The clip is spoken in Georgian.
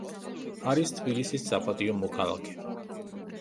არის თბილისის საპატიო მოქალაქე.